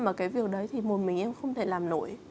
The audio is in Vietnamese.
mà cái việc đấy thì một mình em không thể làm nổi